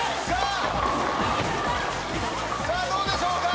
さあどうでしょうか？